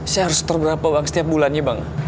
saya harus setor berapa bang setiap bulannya bang